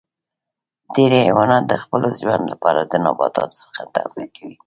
ډیری حیوانات د خپل ژوند لپاره د نباتاتو څخه تغذیه کوي